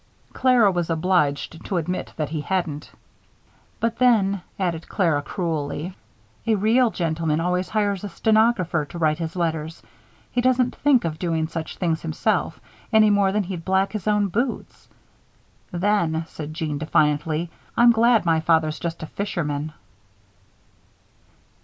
Clara was obliged to admit that he hadn't. "But then," added Clara, cruelly, "a real gentleman always hires a stenographer to write his letters. He doesn't think of doing such things himself, any more than he'd black his own boots." "Then," said Jeanne, defiantly, "I'm glad my father's just a fishman."